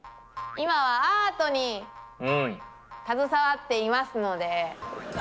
今はアートに携わっていますので。